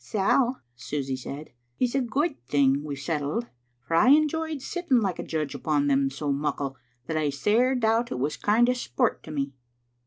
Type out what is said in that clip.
'" "Sal," Susy said, "it's a guid thing we've settled, for I enjoyed sitting like a judge upon them so muckle that I sair doubt it was a kind o' sport to me."